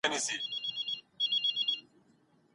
پاڼه د ډېر لوړ ږغ لخوا ړنګیږي.